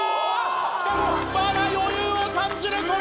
しかもまだ余裕を感じるこの動き！